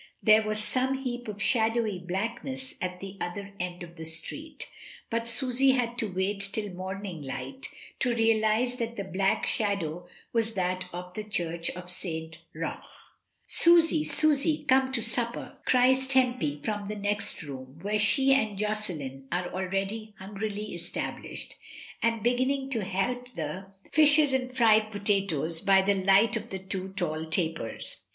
There was some heap of shadowy blackness at the other end of the street, but Susy had to wait till morning light to realise that the black shadow was that of the church of St. Roch. " Susy, Susy, come to supper," cries Tempy from :lie next room, where she and Josselin are already iungrily established, and beginning to help the Airs, Dymond. II, 4 50 MRS. DYMOND. fishes and fried potatoes by the light of the two tall tapers.